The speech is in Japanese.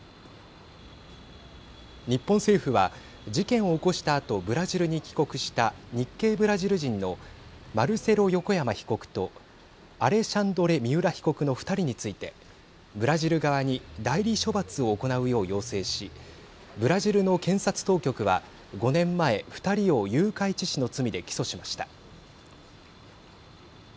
日本政府は事件を起こしたあとブラジルに帰国した日系ブラジル人のマルセロ・ヨコヤマ被告とアレシャンドレ・ミウラ被告の２人についてブラジル側に代理処罰を行うよう要請しブラジルの検察当局は５年前、２人を誘拐致死の罪で起訴しました。